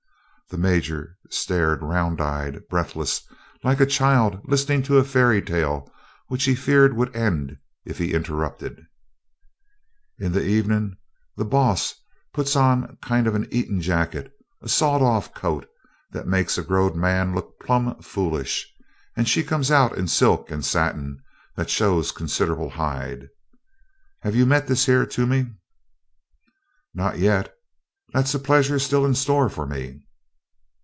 The Major stared round eyed, breathless, like a child listening to a fairy tale which he feared would end if he interrupted. "In the evenin' the boss puts on a kind of eatin' jacket, a sawed off coat that makes a growed man look plumb foolish, and she comes out in silk and satin that shows considerable hide. Have you met this here Toomey?" "Not yet; that's a pleasure still in store for me."